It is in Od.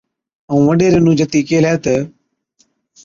ائُون وڏيري نُون جتِي ڪيهلَي تہ،